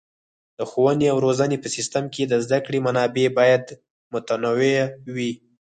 د ښوونې او روزنې په سیستم کې د زده کړې منابع باید متنوع وي.